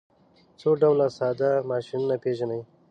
څو ډوله ساده ماشینونه پیژنئ.